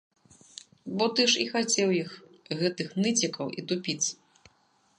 Бо ты ж і хацеў іх, гэтых ныцікаў і тупіц.